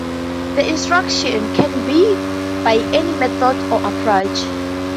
The instruction can be by any method or approach.